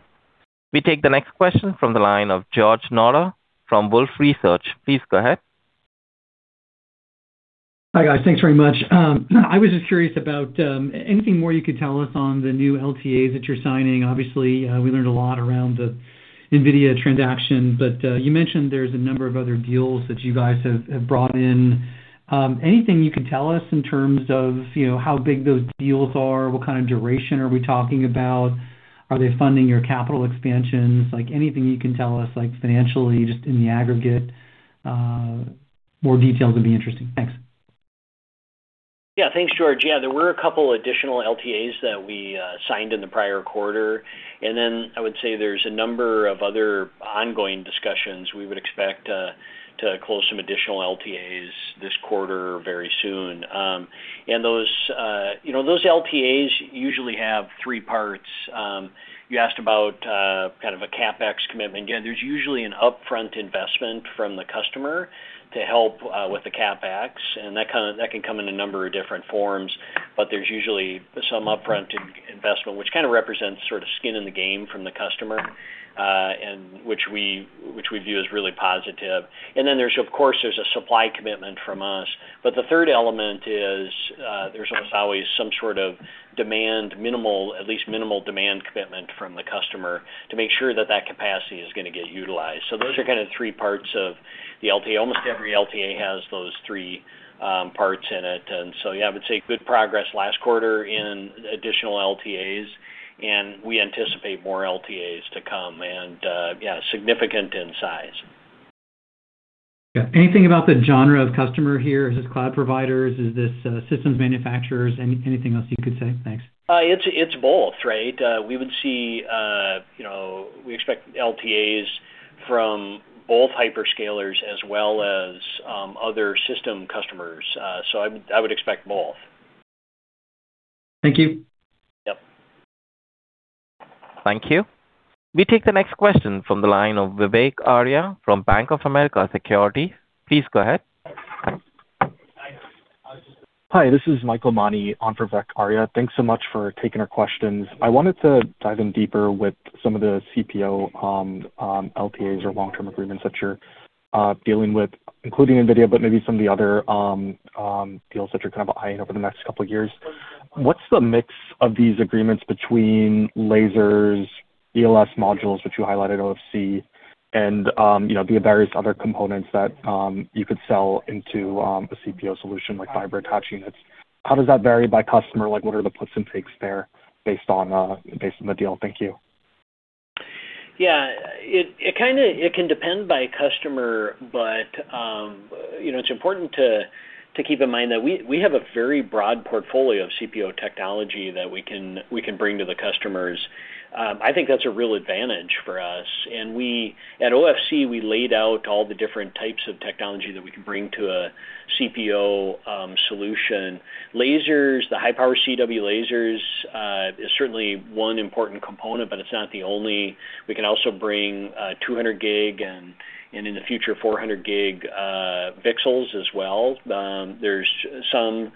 We take the next question from the line of George Notter from Wolfe Research. Please go ahead. Hi, guys. Thanks very much. I was just curious about anything more you could tell us on the new LTAs that you're signing. Obviously, we learned a lot around the NVIDIA transaction, you mentioned there's a number of other deals that you guys have brought in. Anything you can tell us in terms of, you know, how big those deals are? What kind of duration are we talking about? Are they funding your capital expansions? Like, anything you can tell us, like financially, just in the aggregate, More details would be interesting. Thanks. Yeah. Thanks, George. Yeah, there were a couple additional LTAs that we signed in the prior quarter. I would say there's a number of other ongoing discussions. We would expect to close some additional LTAs this quarter very soon. Those, you know, those LTAs usually have three parts. You asked about kind of a CapEx commitment. Yeah, there's usually an upfront investment from the customer to help with the CapEx, that can come in a number of different forms. There's usually some upfront investment which kinda represents sort of skin in the game from the customer, and which we view as really positive. There's, of course, there's a supply commitment from us. The third element is, there's almost always some sort of at least minimal demand commitment from the customer to make sure that that capacity is going to get utilized. Those are kind of three parts of the LTA. Almost every LTA has those three parts in it. Yeah, I would say good progress last quarter in additional LTAs, and we anticipate more LTAs to come. Yeah, significant in size. Yeah. Anything about the genre of customer here? Is this cloud providers? Is this systems manufacturers? Anything else you could say? Thanks. It's both, right? We would see, you know, we expect LTAs from both hyperscalers as well as other system customers. I would expect both. Thank you. Yep. Thank you. We take the next question from the line of Vivek Arya from Bank of America Securities. Please go ahead. Hi. This is Michael Mani on for Vivek Arya. Thanks so much for taking our questions. I wanted to dive in deeper with some of the CPO, LTAs or long-term agreements that you're dealing with, including NVIDIA, but maybe some of the other deals that you're kind of eyeing over the next couple years. What's the mix of these agreements between lasers, ELS modules, which you highlighted OFC, and, you know, the various other components that you could sell into a CPO solution like Fiber Array Units? How does that vary by customer? Like, what are the puts and takes there based on based on the deal? Thank you. It can depend by customer. You know, it's important to keep in mind that we have a very broad portfolio of CPO technology that we can bring to the customers. I think that's a real advantage for us. At OFC, we laid out all the different types of technology that we can bring to a CPO solution. Lasers, the high-power CW lasers, is certainly one important component, but it's not the only. We can also bring 200G and in the future, 400G VCSELs as well. There's some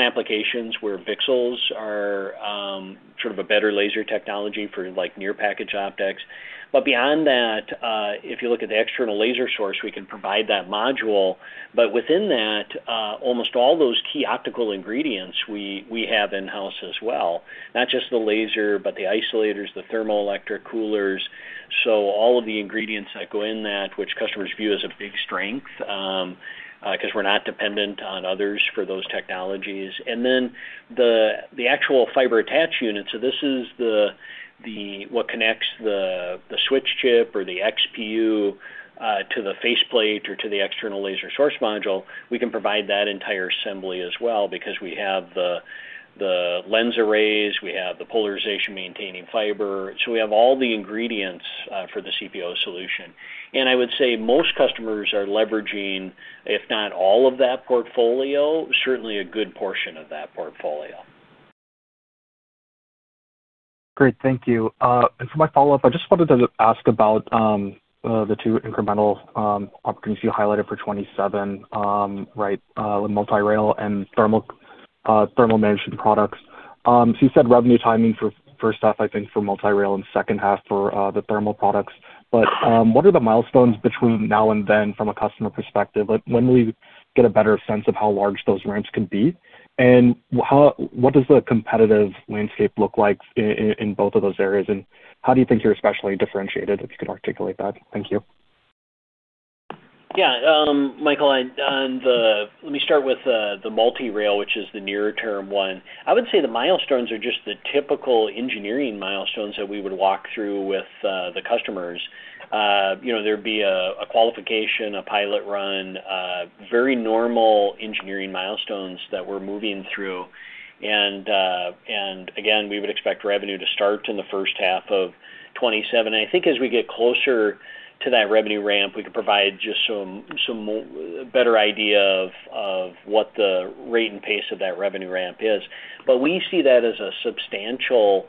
applications where VCSELs are sort of a better laser technology for, like, near-packaged optics. Beyond that, if you look at the external laser source, we can provide that module. Within that, almost all those key optical ingredients we have in-house as well. Not just the laser, but the isolators, the thermoelectric coolers. All of the ingredients that go in that which customers view as a big strength, 'cause we're not dependent on others for those technologies. The actual Fiber Array Unit, this is the what connects the switch chip or the XPU to the faceplate or to the external laser source module. We can provide that entire assembly as well because we have the lens arrays, we have the polarization-maintaining fiber. We have all the ingredients for the CPO solution. I would say most customers are leveraging, if not all of that portfolio, certainly a good portion of that portfolio. Great. Thank you. For my follow-up, I just wanted to ask about the two incremental opportunities you highlighted for 2027, right? With Multi-Rail and thermal management products. You said revenue timing for first half, I think, for Multi-Rail and second half for the thermal products. What are the milestones between now and then from a customer perspective? Like, when will we get a better sense of how large those ramps can be? What does the competitive landscape look like in both of those areas? How do you think you're especially differentiated, if you could articulate that? Thank you. Yeah. Michael, let me start with the Multi-Rail, which is the near-term one. I would say the milestones are just the typical engineering milestones that we would walk through with the customers. You know, there'd be a qualification, a pilot run, very normal engineering milestones that we're moving through. Again, we would expect revenue to start in the first half of 2027. I think as we get closer to that revenue ramp, we can provide just some more, a better idea of what the rate and pace of that revenue ramp is. We see that as a substantial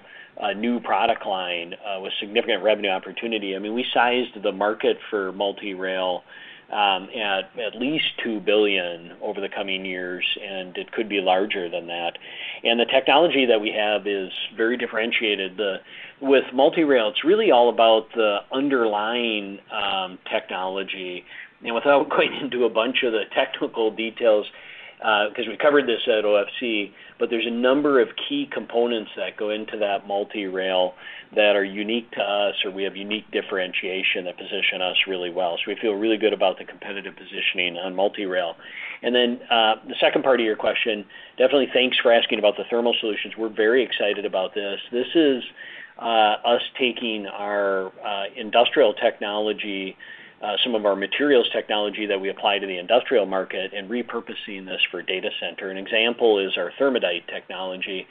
new product line with significant revenue opportunity. I mean, we sized the market for Multi-Rail at least $2 billion over the coming years, and it could be larger than that. The technology that we have is very differentiated. With Multi-Rail, it's really all about the underlying technology. Without going into a bunch of the technical details, 'cause we covered this at OFC, but there's a number of key components that go into that Multi-Rail that are unique to us or we have unique differentiation that position us really well. We feel really good about the competitive positioning on Multi-Rail. Then, the second part of your question, definitely thanks for asking about the thermal solutions. We're very excited about this. This is us taking our industrial technology, some of our materials technology that we apply to the industrial market and repurposing this for data center. An example is our Thermadite technology.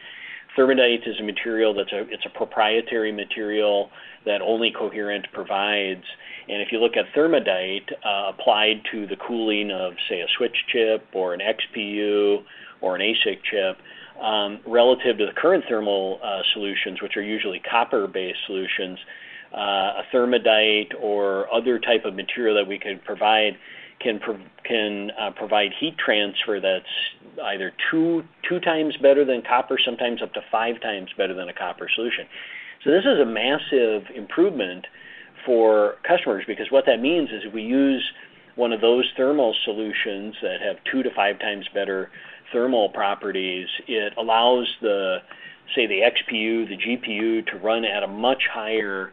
Thermadite is a material that's a proprietary material that only Coherent provides. If you look at Thermadite applied to the cooling of, say, a switch chip or an XPU or an ASIC chip, relative to the current thermal solutions, which are usually copper-based solutions, a Thermadite or other type of material that we could provide can provide heat transfer that's either two times better than copper, sometimes up to five times better than a copper solution. This is a massive improvement for customers because what that means is if we use one of those thermal solutions that have two to five times better thermal properties, it allows the, say, the XPU, the GPU to run at a much higher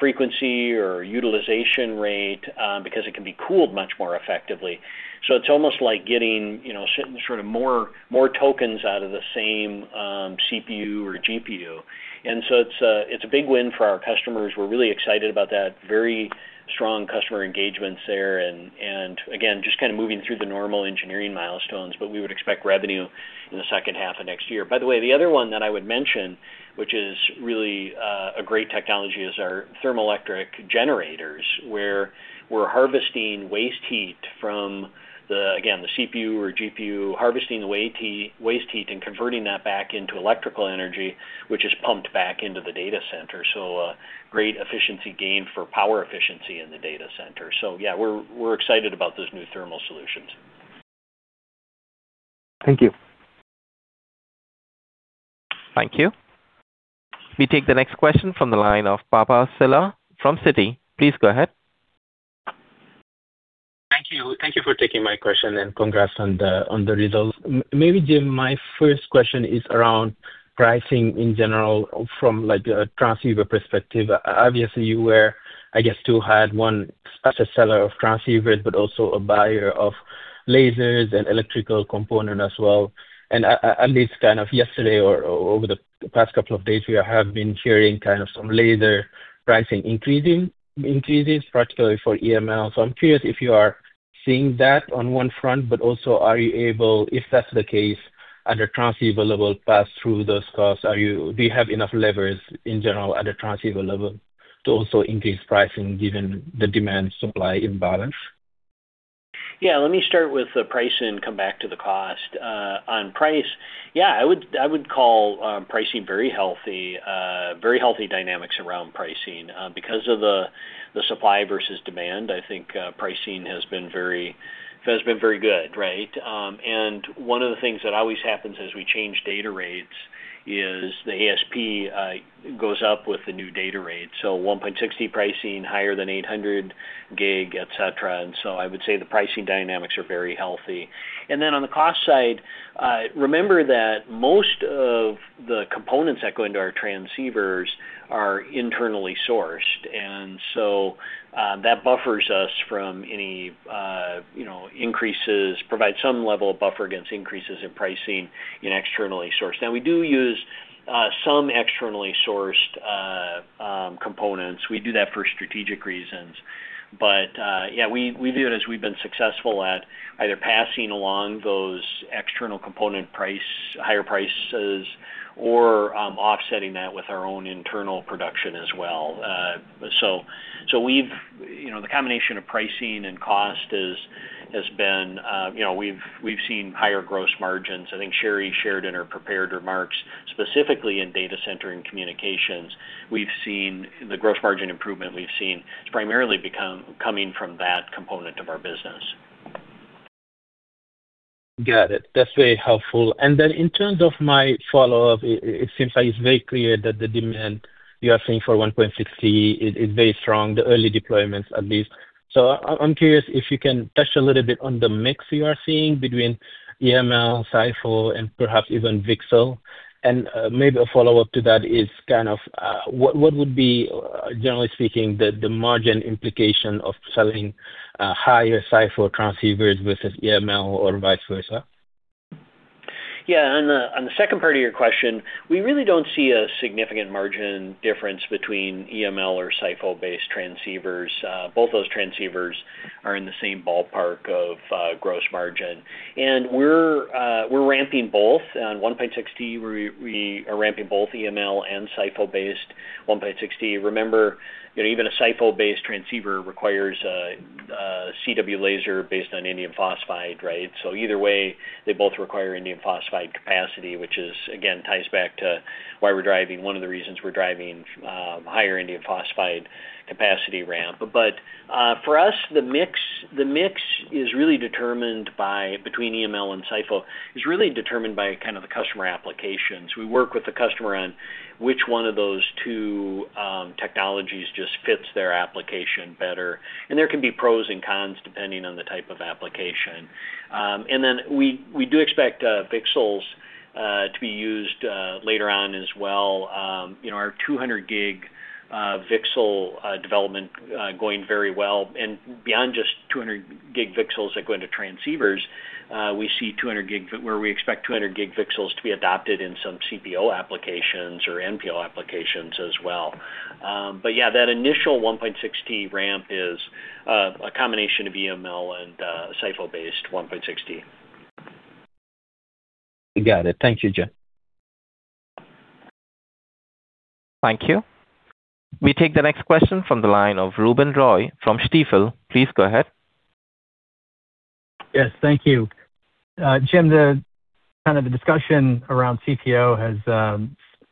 frequency or utilization rate because it can be cooled much more effectively. It's almost like getting, you know, sort of more tokens out of the same CPU or GPU. It's a big win for our customers. We're really excited about that. Very strong customer engagements there and again, just kind of moving through the normal engineering milestones, but we would expect revenue in the second half of next year. By the way, the other one that I would mention, which is really a great technology, is our thermoelectric generators, where we're harvesting waste heat from the, again, the CPU or GPU, harvesting the waste heat, and converting that back into electrical energy, which is pumped back into the data center. Great efficiency gain for power efficiency in the data center. Yeah, we're excited about those new thermal solutions. Thank you. Thank you. We take the next question from the line of Papa Sylla from Citi. Please go ahead. Thank you. Thank you for taking my question. Congrats on the results. Maybe, Jim, my first question is around pricing in general from, like, a transceiver perspective. Obviously, you were, I guess, too, had one as a seller of transceiver, but also a buyer of lasers and electrical component as well. At least kind of yesterday or over the past couple of days, we have been hearing kind of some laser pricing increases, particularly for EML. I'm curious if you are seeing that on one front, but also are you able, if that's the case, at a transceiver level, pass through those costs? Do you have enough levers in general at a transceiver level to also increase pricing given the demand supply imbalance? Yeah. Let me start with the pricing and come back to the cost. On price, yeah, I would call pricing very healthy, very healthy dynamics around pricing. Because of the supply versus demand, I think pricing has been very good, right? One of the things that always happens as we change data rates is the ASP goes up with the new data rate. 1.6T pricing higher than 800G, et cetera. I would say the pricing dynamics are very healthy. On the cost side, remember that most of the components that go into our transceivers are internally sourced. That buffers us from any, you know, increases, provide some level of buffer against increases in pricing in externally sourced. Now, we do use some externally sourced components. We do that for strategic reasons. Yeah, we view it as we've been successful at either passing along those external component price, higher prices or, offsetting that with our own internal production as well. We've, you know, the combination of pricing and cost is, has been, you know, we've seen higher gross margins. I think Sherri shared in her prepared remarks, specifically in data center and communications, the gross margin improvement we've seen is primarily coming from that component of our business. Got it. That's very helpful. In terms of my follow-up, it seems like it's very clear that the demand you are seeing for 1.6T is very strong, the early deployments at least. I'm curious if you can touch a little bit on the mix you are seeing between EML, SiPho, and perhaps even VCSEL. Maybe a follow-up to that is what would be, generally speaking, the margin implication of selling higher SiPho transceivers versus EML or vice versa? On the second part of your question, we really don't see a significant margin difference between EML or SiPho-based transceivers. Both those transceivers are in the same ballpark of gross margin. We're ramping both. On 1.6T, we are ramping both EML and SiPho-based 1.6T. Remember that even a SiPho-based transceiver requires a CW laser based on indium phosphide, right? Either way, they both require indium phosphide capacity, which is again, ties back to why we're driving, one of the reasons we're driving, higher indium phosphide capacity ramp. For us, the mix between EML and SiPho is really determined by kind of the customer applications. We work with the customer on which one of those two technologies just fits their application better. There can be pros and cons depending on the type of application. We do expect VCSELs to be used later on as well. You know, our 200G VCSEL development going very well. Beyond just 200G VCSELs that go into transceivers, we see where we expect 200G VCSELs to be adopted in some CPO applications or NPO applications as well. That initial 1.6T ramp is a combination of EML and SiPho based 1.6T. Got it. Thank you, Jim. Thank you. We take the next question from the line of Ruben Roy from Stifel. Please go ahead. Yes, thank you. Jim, the kind of the discussion around CPO has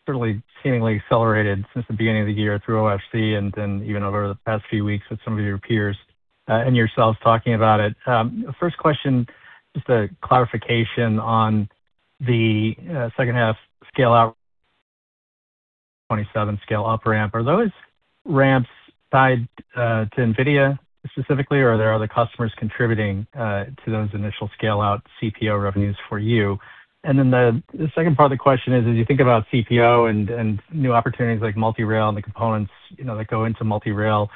certainly seemingly accelerated since the beginning of the year through OFC and then even over the past few weeks with some of your peers and yourselves talking about it. First question, just a clarification on the second half scale out 27 scale up ramp. Are those ramps tied to NVIDIA specifically, or are there other customers contributing to those initial scale-out CPO revenues for you? The second part of the question is, as you think about CPO and new opportunities like Multi-Rail and the components, you know, that go into Multi-Rail,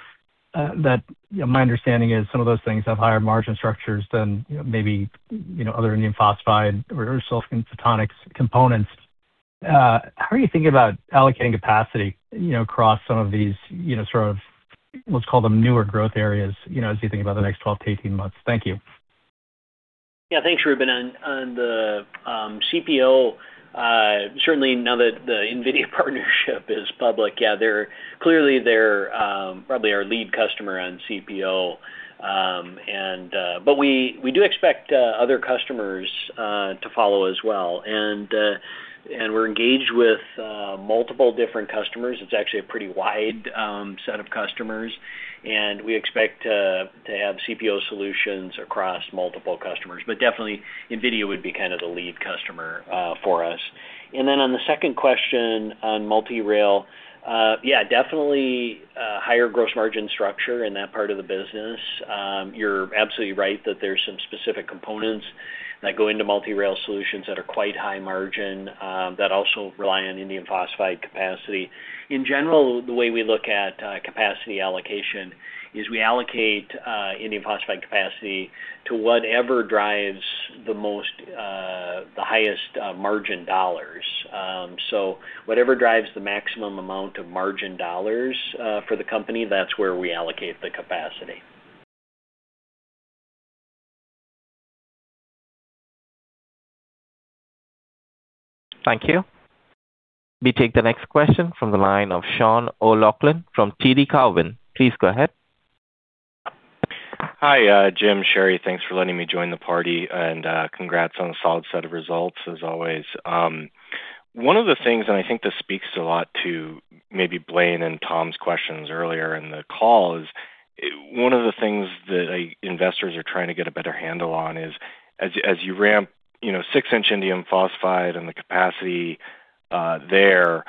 that, you know, my understanding is some of those things have higher margin structures than, you know, maybe, you know, other indium phosphide or silicon photonics components. How are you thinking about allocating capacity, you know, across some of these, you know, sort of, let's call them newer growth areas, you know, as you think about the next 12 to 18 months? Thank you. Thanks, Ruben. On the CPO, clearly they're probably our lead customer on CPO. We do expect other customers to follow as well. We're engaged with multiple different customers. It's actually a pretty wide set of customers, and we expect to have CPO solutions across multiple customers. Definitely NVIDIA would be kind of the lead customer for us. On the second question on Multi-Rail, definitely a higher gross margin structure in that part of the business. You're absolutely right that there's some specific components that go into Multi-Rail solutions that are quite high margin that also rely on indium phosphide capacity. In general, the way we look at capacity allocation is we allocate indium phosphide capacity to whatever drives the most, the highest margin dollars. Whatever drives the maximum amount of margin dollars for the company, that's where we allocate the capacity. Thank you. We take the next question from the line of Sean O'Loughlin from TD Cowen. Please go ahead. Hi, Jim, Sherri. Thanks for letting me join the party. Congrats on the solid set of results as always. One of the things, and I think this speaks a lot to maybe Blayne and Tom's questions earlier in the call, is one of the things that, like, investors are trying to get a better handle on is as you ramp, you know, six-inch indium phosphide and the capacity there,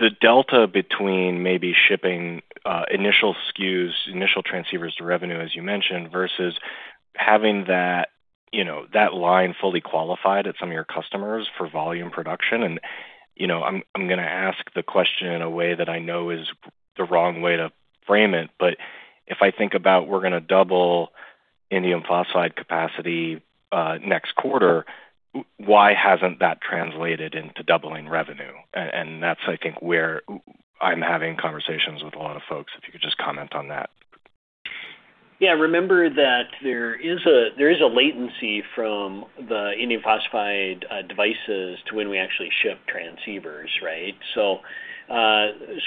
the delta between maybe shipping initial SKUs, initial transceivers to revenue, as you mentioned, versus having that, you know, that line fully qualified at some of your customers for volume production. I'm going to ask the question in a way that I know is the wrong way to frame it, but if I think about we're going to double indium phosphide capacity next quarter, why hasn't that translated into doubling revenue? That's, I think, where I'm having conversations with a lot of folks, if you could just comment on that. Yeah. Remember that there is a latency from the indium phosphide devices to when we actually ship transceivers, right?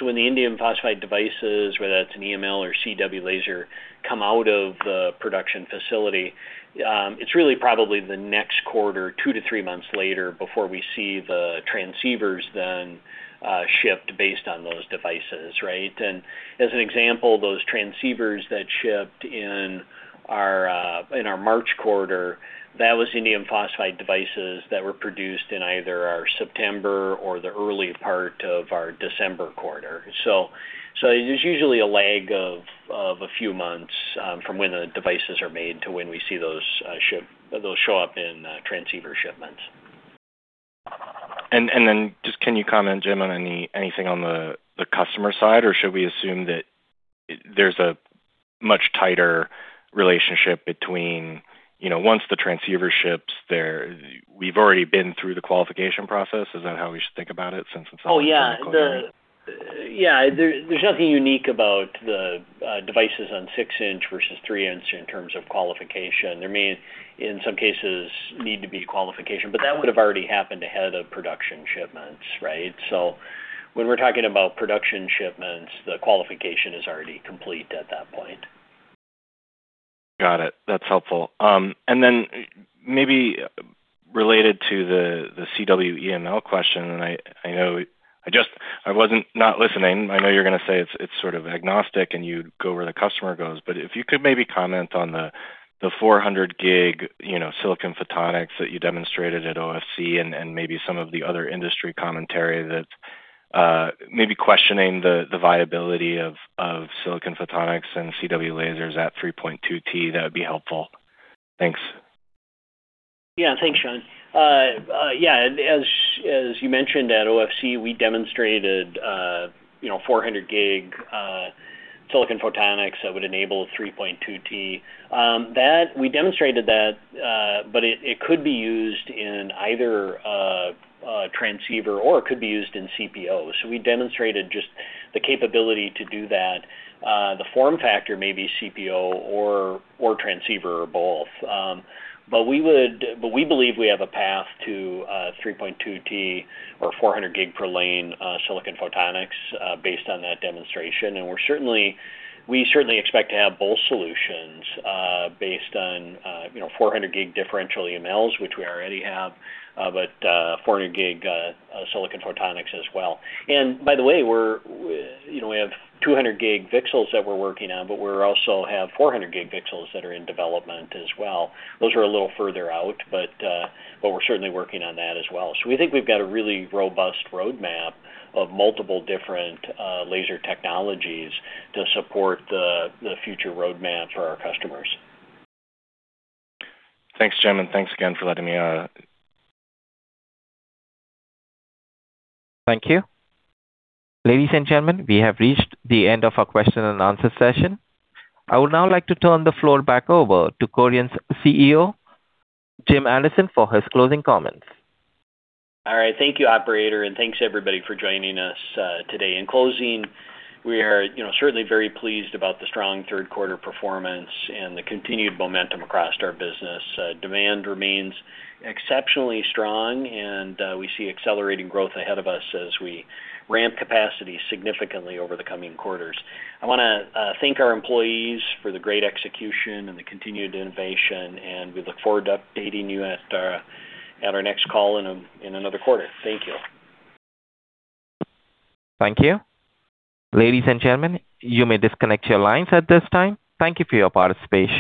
When the indium phosphide devices, whether that's an EML or CW laser, come out of the production facility, it's really probably the next quarter, two to three months later, before we see the transceivers then shipped based on those devices, right? As an example, those transceivers that shipped in our March quarter, that was indium phosphide devices that were produced in either our September or the early part of our December quarter. There's usually a lag of a few months from when the devices are made to when we see those show up in transceiver shipments. Just can you comment, Jim, on anything on the customer side, or should we assume that there's a much tighter relationship between, you know, once the transceiver ships there, we've already been through the qualification process? Is that how we should think about it since it's- Oh, yeah. -all going on? Yeah. There's nothing unique about the devices on 6-inch versus 3-inch in terms of qualification. There may, in some cases, need to be qualification, but that would've already happened ahead of production shipments, right? When we're talking about production shipments, the qualification is already complete at that point. Got it. That's helpful. Then maybe related to the CW EML question, I know I wasn't not listening. I know you're gonna say it's sort of agnostic, and you go where the customer goes. If you could maybe comment on the 400G, you know, silicon photonics that you demonstrated at OFC and maybe some of the other industry commentary that's questioning the viability of silicon photonics and CW lasers at 3.2T, that would be helpful. Thanks. Thanks, Sean. As you mentioned at OFC, we demonstrated 400G silicon photonics that would enable 3.2T. That we demonstrated that, but it could be used in either transceiver or could be used in CPO. We demonstrated just the capability to do that. The form factor may be CPO or transceiver or both. But we believe we have a path to 3.2T or 400G per lane silicon photonics based on that demonstration. We certainly expect to have both solutions based on 400G differential EMLs, which we already have, but 400G silicon photonics as well. By the way, we're, you know, we have 200G VCSELs that we're working on, we're also have 400G VCSELs that are in development as well. Those are a little further out, we're certainly working on that as well. We think we've got a really robust roadmap of multiple different laser technologies to support the future roadmap for our customers. Thanks, Jim, and thanks again for letting me on. Thank you. Ladies and gentlemen, we have reached the end of our question and answer session. I would now like to turn the floor back over to Coherent's CEO, Jim Anderson, for his closing comments. All right. Thank you, operator, and thanks everybody for joining us today. In closing, we are, you know, certainly very pleased about the strong third quarter performance and the continued momentum across our business. Demand remains exceptionally strong, and we see accelerating growth ahead of us as we ramp capacity significantly over the coming quarters. I wanna thank our employees for the great execution and the continued innovation, and we look forward to updating you at our next call in another quarter. Thank you. Thank you. Ladies and gentlemen, you may disconnect your lines at this time. Thank you for your participation.